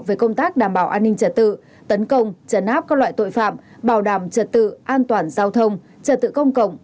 về công tác đảm bảo an ninh trật tự tấn công chấn áp các loại tội phạm bảo đảm trật tự an toàn giao thông trật tự công cộng